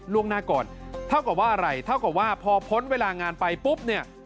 ล่วงหน้าก่อนเท่ากับว่าอะไรเท่ากับว่าพอพ้นเวลางานไปปุ๊บเนี่ย